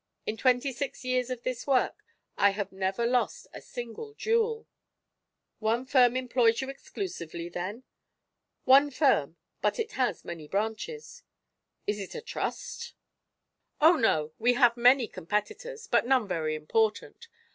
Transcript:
In twenty six years of this work I have never lost a single jewel." "One firm employs you exclusively, then?" "One firm. But it has many branches." "It is a trust?" "Oh, no; we have many competitors; but none very important.